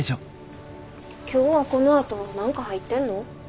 今日はこのあと何か入ってんの？